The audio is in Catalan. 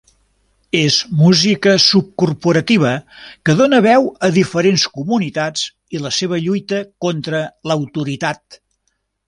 És música subcorporativa que dona veu a diferents comunitats i la seva lluita contra l"autoritat.